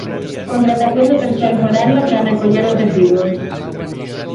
Contratación de persoal foráneo para recoller os residuos.